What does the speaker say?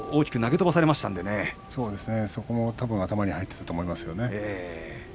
そこのところも頭に入ってると思いますね。